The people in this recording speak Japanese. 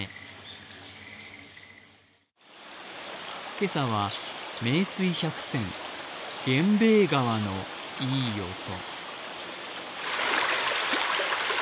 今朝は名水百選、源兵衛川のいい音。